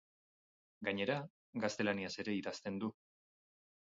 Gainera, gaztelaniaz ere idazten du.